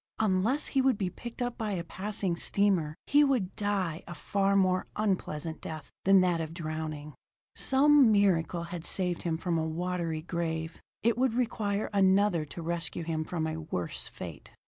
Unless he would be picked up by a passing steamer, he would die a far more unpleasant death than that of drowning. Some miracle had saved him from a watery grave; it would require another to rescue him from a worse fate.